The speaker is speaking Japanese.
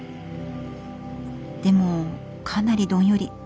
でもかなりどんより。